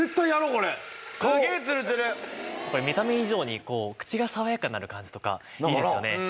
これ見た目以上に口が爽やかになる感じとかいいですよね。